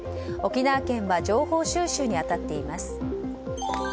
沖縄県は情報収集に当たっています。